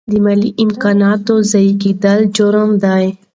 د مالي امکاناتو ضایع کیدل جرم دی.